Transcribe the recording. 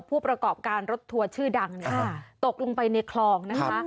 ผู้ประกอบการรถทัวร์ชื่อดังตกลงไปในคลองนะคะ